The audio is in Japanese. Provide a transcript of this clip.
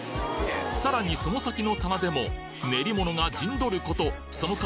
さらにその先の棚でも練り物が陣取ることその数